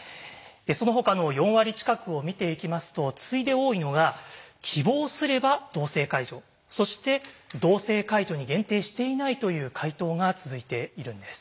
そのほかの４割近くを見ていきますと次いで多いのが希望すれば同性介助そして同性介助に限定していないという回答が続いているんです。